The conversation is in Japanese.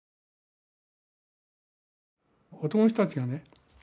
男の人たちがね